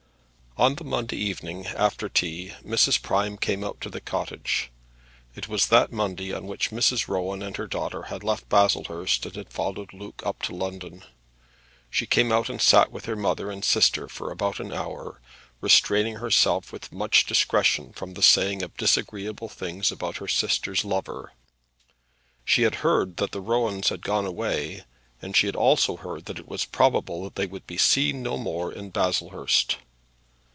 On the Monday evening, after tea, Mrs. Prime came out to the cottage. It was that Monday on which Mrs. Rowan and her daughter had left Baslehurst and had followed Luke up to London. She came out and sat with her mother and sister for about an hour, restraining herself with much discretion from the saying of disagreeable things about her sister's lover. She had heard that the Rowans had gone away, and she had also heard that it was probable that they would be no more seen in Baslehurst.